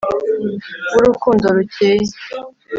w'urukundo rukeye